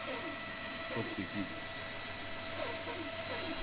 Çok zekidir.